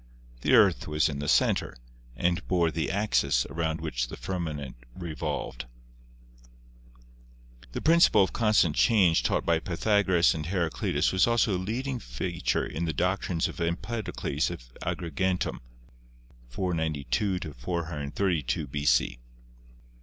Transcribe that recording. The earth was in the center and bore the axis around which the firmament re volved." The principle of constant change taught by Pythagoras and Heraclitus was also a leading feature in the doctrines of Empedocles of Agrigentum (492 432 B.C.).